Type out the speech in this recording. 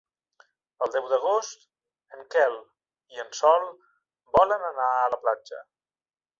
El deu d'agost en Quel i en Sol volen anar a la platja.